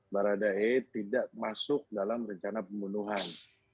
barada e tidak masuk dalam rencana pembunuhan